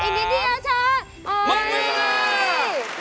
เมื่อไหร่